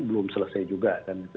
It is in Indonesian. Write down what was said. belum selesai juga